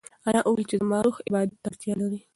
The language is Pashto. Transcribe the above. انا وویل چې زما روح عبادت ته اړتیا لري.